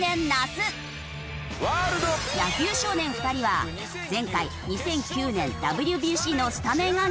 野球少年２人は前回２００９年ＷＢＣのスタメン暗記に挑むも。